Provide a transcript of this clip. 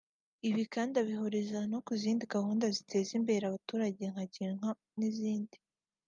Ibi kandi abihuriza no ku zindi gahunda ziteza imbere abaturage nka Girinka n’izindi